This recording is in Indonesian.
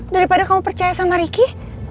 daripada kamu percaya sama ricky